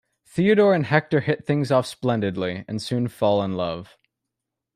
Theodora and Hector hit things off splendidly, and soon fall in love.